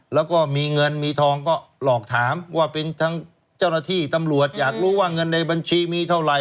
แล้วก็มีเงินมีทองก็หลอกถามว่าเป็นทั้งเจ้าหน้าที่ตำรวจอยากรู้ว่าเงินในบัญชีมีเท่าไหร่